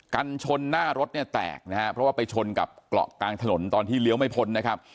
กันชนหน้ารถเนี่ยแตกนะฮะเพราะว่าไปชนกับเกาะกลางถนนตอนที่เลี้ยวไม่พ้นนะครับ